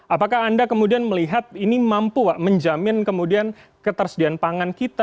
apakah anda kemudian melihat ini mampu menjamin kemudian ketersediaan pangan kita